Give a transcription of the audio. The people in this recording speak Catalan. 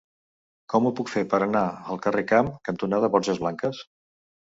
Com ho puc fer per anar al carrer Camp cantonada Borges Blanques?